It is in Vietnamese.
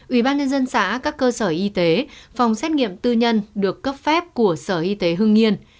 ubnd xã các cơ sở y tế phòng xét nghiệm tư nhân được cấp phép của sở y tế hưng yên